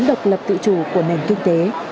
tính độc lập tự chủ của nền kinh tế